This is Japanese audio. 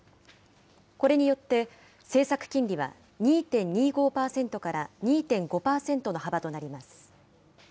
これによって、政策金利は２．２５％から２．５％の幅となります。